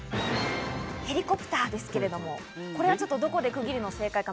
ヘリコプターですけれども、これは、どこで区切るのが正解か？